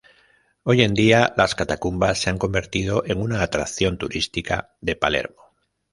Hoy en día las catacumbas se han convertido en una atracción turística de Palermo.